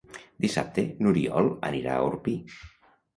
Dissabte n'Oriol anirà a Orpí.